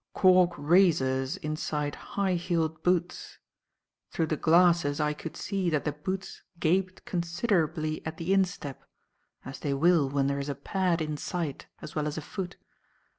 "Cork 'raisers' inside high heeled boots. Through the glasses I could see that the boots gaped considerably at the instep, as they will when there is a pad inside as well as a foot.